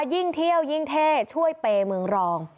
ยิ่งเที่ยวยิ่งเท่ช่วยเปย์เมืองรอง